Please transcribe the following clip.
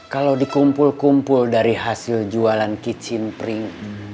kalau dikumpul kumpul dari hasil jualan kitchen print